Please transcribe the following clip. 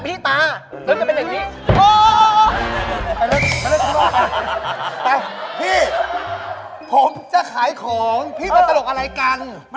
พี่ผมจะขายของพี่จะตลกอะไรกัน